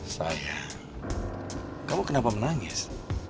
sayang kamu kenapa menangis